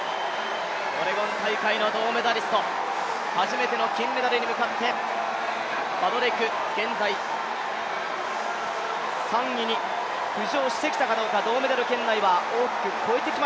オレゴン大会の銅メダリスト、初めての金メダルに向かって、バドレイク、現在３位に浮上してきたかどうか。